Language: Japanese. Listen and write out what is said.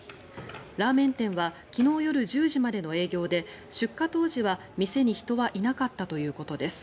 ラーメン店は昨日夜１０時までの営業で出火当時は、店に人はいなかったということです。